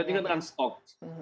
demikian dengan stok